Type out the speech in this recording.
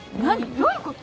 どういうこと？